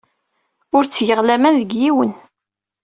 Ur ttgeɣ laman deg yiwen.